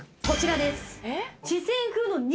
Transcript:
こちらです。